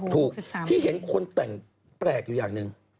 ถูกที่เห็นคนแต่งแปลกอยู่อย่างหนึ่ง